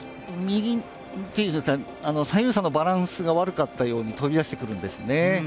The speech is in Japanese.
左右差のバランスが悪かったように飛び出してくるんですね。